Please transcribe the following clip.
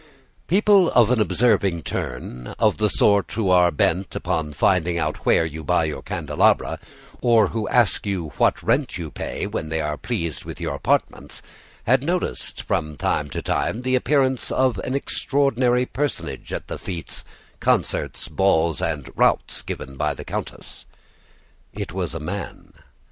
People of an observing turn, of the sort who are bent upon finding out where you buy your candelabra, or who ask you what rent you pay when they are pleased with your apartments, had noticed, from time to time, the appearance of an extraordinary personage at the fetes, concerts, balls, and routs given by the countess. It was a man.